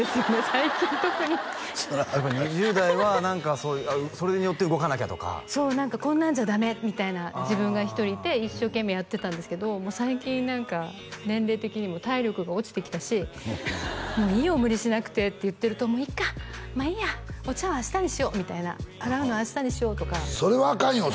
最近特にやっぱ２０代は何かそういうそれによって動かなきゃとかそう何か「こんなんじゃダメ！」みたいな自分が１人いて一生懸命やってたんですけど最近何か年齢的にも体力が落ちてきたし「もういいよ無理しなくて」って言ってると「もういっかまあいいやお茶碗明日にしよう」みたいな「洗うの明日にしよう」とかそれはアカンよ